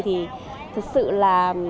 thì thật sự là